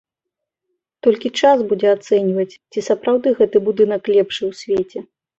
Толькі час будзе ацэньваць, ці сапраўды гэты будынак лепшы ў свеце.